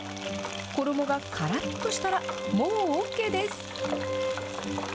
衣がからっとしたらもうＯＫです。